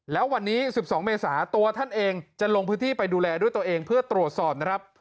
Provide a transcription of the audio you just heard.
แล้ววันนี้๑๒เมษาตัวท่านเองจะลงพื้นที่ไปดูแลด้วยตัวเองเพื่อตรวจสอบนะครับ